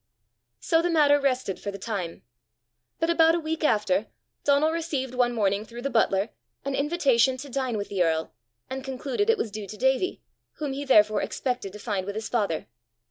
So the matter rested for the time. But about a week after, Donal received one morning through the butler an invitation to dine with the earl, and concluded it was due to Davie, whom he therefore expected to find with his father.